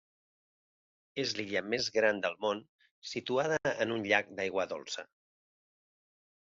És l'illa més gran del món situada en un llac d'aigua dolça.